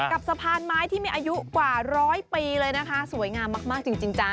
กับสะพานไม้ที่มีอายุกว่าร้อยปีเลยนะคะสวยงามมากจริงจ๊ะ